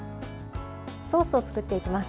ソースを作っていきます。